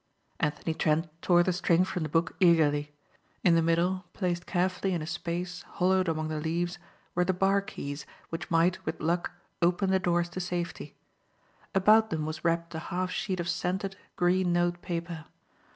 Anthony Trent tore the string from the book eagerly. In the middle, placed carefully in a space hollowed among the leaves were the bar keys which might, with luck, open the doors to safety. About them was wrapped a half sheet of scented, green note paper.